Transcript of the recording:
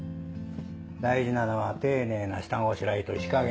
大事なのは丁寧な下ごしらえと火加減。